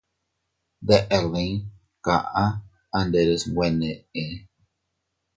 Deʼer dii, kaʼa a nderes nwe neʼe.